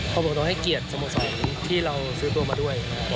เขาบอกเราให้เกียรติสโมสรที่เราซื้อตัวมาด้วย